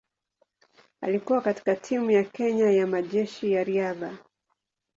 Alikuwa katika timu ya Kenya ya Majeshi ya Riadha.